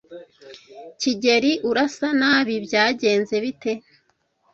kigeli, urasa nabi. Byagenze bite?